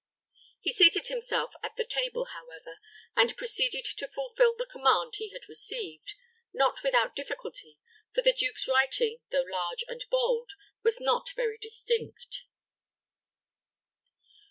He seated himself at the table, however, and proceeded to fulfill the command he had received, not without difficulty, for the duke's writing, though large and bold, was not very distinct.